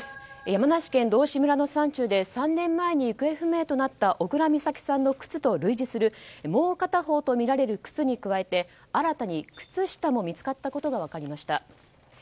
山梨県道志村の山中で３年前に行方不明となった小倉美咲さんの靴と類似するもう片方とみられる靴に加えて新たに靴下も見つかったことが分かりました。